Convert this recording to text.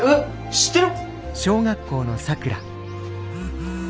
知ってる！？